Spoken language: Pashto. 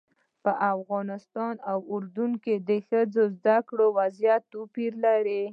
په افغانستان او اردن کې د ښځو د زده کړې وضعیت توپیر لري.